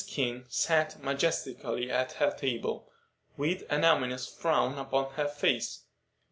King sat majestically at her table, with an ominous frown upon her face.